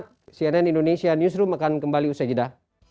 kita break sejenak cnn indonesia newsroom akan kembali usai jeda